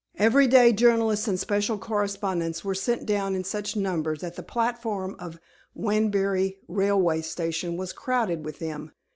Every day journalists and special correspondents were sent down in such numbers that the platform of Wanbury Railway Station was crowded with them.